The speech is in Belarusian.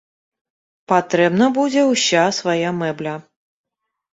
Патрэбна будзе ўся свая мэбля.